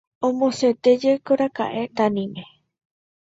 Omosẽtéjekoraka'e Taníme.